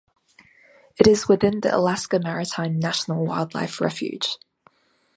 It is within the Alaska Maritime National Wildlife Refuge.